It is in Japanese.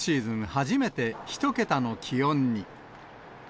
初めて１桁の気温に。